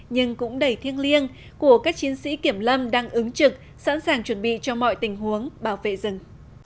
nhưng cũng đầy thiêng liêng của các chiến sĩ kiểm lâm đang ứng trực sẵn sàng chuẩn bị cho mọi tình huống bảo vệ rừng